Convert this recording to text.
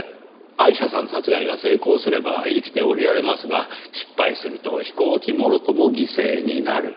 アイシャさん殺害が成功すれば生きて降りられますが失敗すると飛行機もろとも犠牲になる。